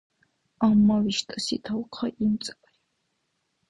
Амма виштӀаси талхъай имцӀабариб.